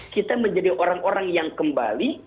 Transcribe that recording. kita menjadi orang orang yang kembali